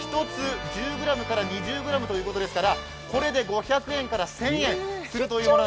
１つ、１０２０ｇということですから、これで５００円から１０００円。